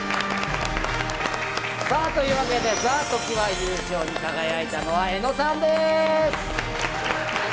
さあ、というわけで、ＴＨＥＴＯＫＩＷＡ優勝に輝いたのは、江野さんです。